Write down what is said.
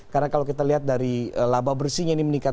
karena kalau kita lihat dari laba bersihnya ini meningkat